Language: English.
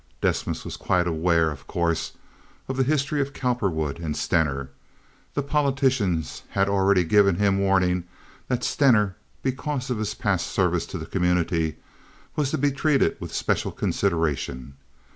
Desmas was quite aware, of course, of the history of Cowperwood and Stener. The politicians had already given him warning that Stener, because of his past services to the community, was to be treated with special consideration.